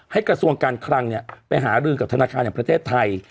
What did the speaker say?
กระทรวงการคลังไปหารือกับธนาคารแห่งประเทศไทย